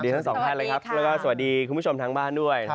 ทั้งสองท่านเลยครับแล้วก็สวัสดีคุณผู้ชมทางบ้านด้วย